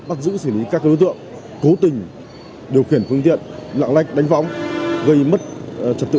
bắt giữ xử lý các đối tượng cố tình điều khiển phương tiện lạng lách đánh võng gây mất trật tự